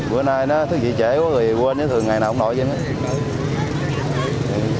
buổi nay xe tích dễ quá thì buồn đến ngày nào cũng nổi reminds em ấy